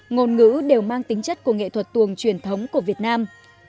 ngôn ngữ đều mang tính chất của nghệ thuật tuồng truyền thống của việt nam